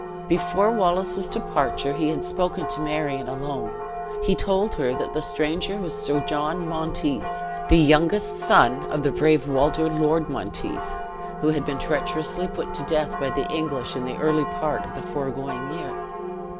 Before Wallace's departure he had spoken to Marion alone; he told her that the stranger was Sir John Monteith, the youngest son of the brave Walter Lord Monteith, who had been treacherously put to death by the English in the early part of the foregoing year.